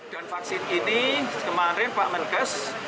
dan vaksin ini kemarin pak menkes